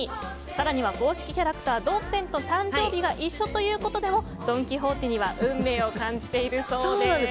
更には公式キャラクタードンペンと誕生日が一緒ということでもドン・キホーテには運命を感じているそうです。